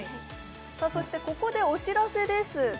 そしてここでお知らせです